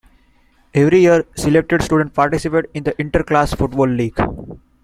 Every year, selected students participate in the Inter-class football league.